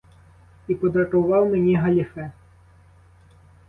І подарував мені галіфе.